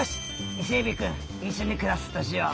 イセエビくん一緒に暮らすとしよう」。